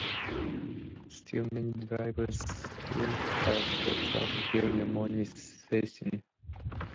Still many drivers slid off the track during the morning session.